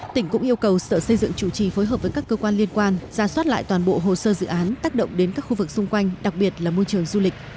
tỉnh cũng yêu cầu sở xây dựng chủ trì phối hợp với các cơ quan liên quan ra soát lại toàn bộ hồ sơ dự án tác động đến các khu vực xung quanh đặc biệt là môi trường du lịch